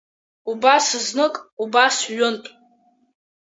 Убас знык, убас ҩынтә…